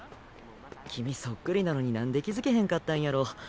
君そっくりなのになんで気付けへんかったんやろ。